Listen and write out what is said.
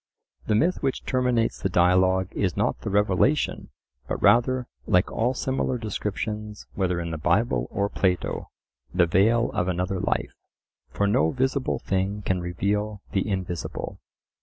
The myth which terminates the dialogue is not the revelation, but rather, like all similar descriptions, whether in the Bible or Plato, the veil of another life. For no visible thing can reveal the invisible.